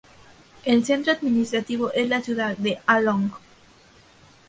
El centro administrativo es la ciudad de Along.